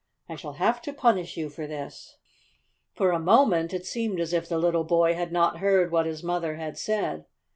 I shall have to punish you for this!" For a moment it seemed as if the little boy had not heard what his mother had said.